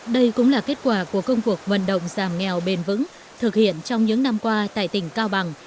đây cũng là kết quả của công cuộc vận động giảm nghèo bền vững thực hiện trong những năm qua tại tỉnh cao bằng